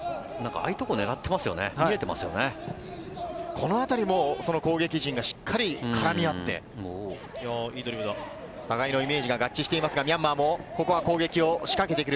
ああいう所を狙っていまこのあたりも攻撃陣がしっかり絡み合って互いのイメージが合致していますが、ミャンマーも攻撃を仕掛けてくる。